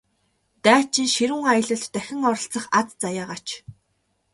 Дайчин ширүүн аялалд дахин оролцох аз заяагаач!